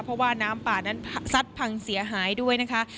เพราะว่าน้ำป่านั้นซัดพังเสียหายด้วยนะคะ